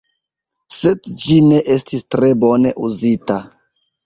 Sed ĝi ne estis tre bone uzita.